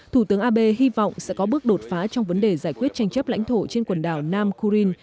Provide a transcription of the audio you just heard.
thủ tướng abe hy vọng sẽ có bước đột phá trong vấn đề giải quyết tranh chấp lãnh thổ trên quần đảo nam kurin